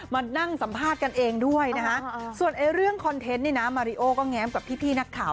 มานั่งสัมภาษณ์กันเองด้วยนะฮะส่วนเรื่องคอนเทนต์นี่นะมาริโอก็แง้มกับพี่นักข่าว